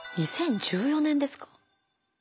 ２０１４年ですか。